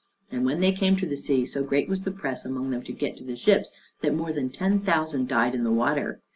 And when they came to the sea, so great was the press among them to get to the ships, that more than ten thousand died in the water.